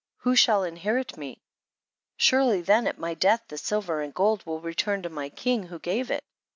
who shall inherit me ? surely then at my death, the silver and gold will re turn to my king who gave it.